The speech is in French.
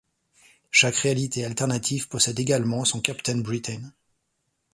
Chaque réalité alternative possède également son Captain Britain.